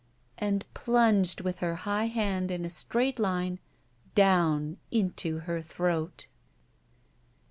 And plunged with her high hand in a straight line down into her throat.